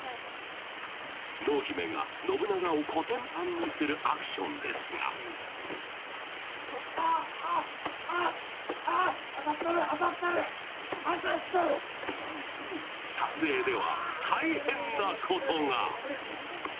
濃姫が信長をコテンパンにするアクションですが撮影では大変なことが。